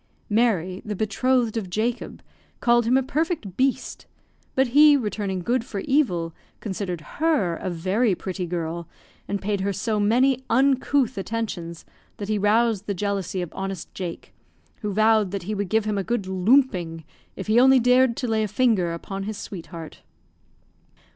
Mary, the betrothed of Jacob, called him a perfect "beast"; but he, returning good for evil, considered her a very pretty girl, and paid her so many uncouth attentions that he roused the jealousy of honest Jake, who vowed that he would give him a good "loomping" if he only dared to lay a finger upon his sweetheart.